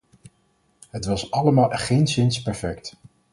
Het was allemaal geenszins perfect.